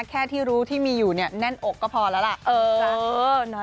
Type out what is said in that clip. แค่ที่รู้ที่มีอยู่เนี่ยแน่นอกก็พอแล้วล่ะ